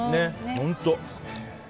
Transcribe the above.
本当。